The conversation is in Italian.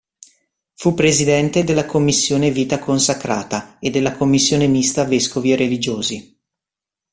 Fu Presidente della Commissione Vita consacrata e della Commissione mista Vescovi e Religiosi.